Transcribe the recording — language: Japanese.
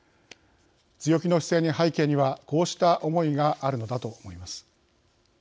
強気の姿勢の背景にはこうした思いがあるのだと思います。